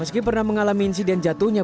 meski pernah mengalami insiden jatuhnya